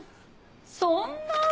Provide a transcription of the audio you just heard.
そんな。